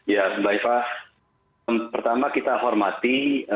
ya mbak eva pertama kita hormati